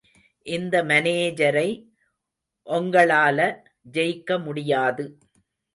இந்த மானேஜரை ஒங்களால ஜெயிக்க முடியாது.